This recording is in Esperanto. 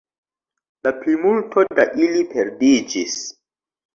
La plimulto da ili perdiĝis.